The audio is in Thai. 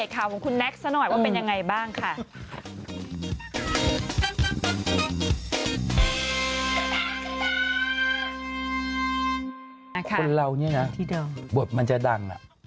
คนนี้นะบทมันจะดัง